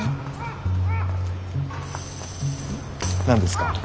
何ですか？